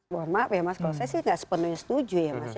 mohon maaf ya mas kalau saya sih nggak sepenuhnya setuju ya mas ya